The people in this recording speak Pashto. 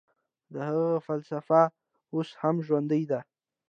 د هغه فلسفه اوس هم ژوندۍ ده.